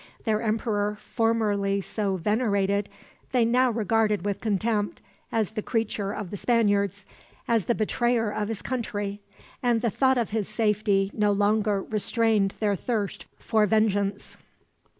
Their emperor, formerly so venerated, they now regarded with contempt as the creature of the Spaniards; as the betrayer of his country; and the thought of his safety no longer restrained their thirst for vengeance.